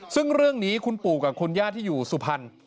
ซึ่งเรื่องนี้คุณปู่กับคุณย่าที่อยู่สุพรรณ